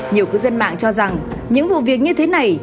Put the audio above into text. nhiều cư dân mạng cho rằng những vụ việc như thế này